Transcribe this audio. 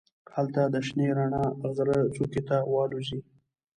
هلته د شنې رڼا غره څوکې ته والوزي.